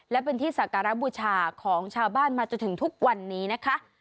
และเป็นที่สักการะบูชาของชาวบ้านมาจนถึงทุกวันนี้นะคะ